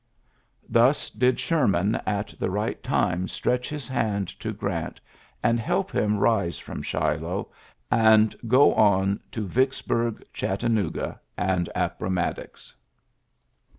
'' Thus did Sherman at the right time stretch his hand to Grants I and help him rise from Shiloh, and go I on to Vicksburg, Chattanooga, and Ap L pomattox.